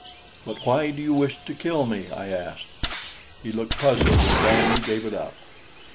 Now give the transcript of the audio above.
"But why do you wish to kill me?" I asked. He looked puzzled and finally gave it up.